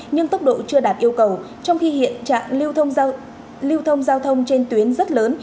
nhưng tốc độ chưa đạt yêu cầu trong khi hiện trạng lưu thông giao thông trên tuyến rất lớn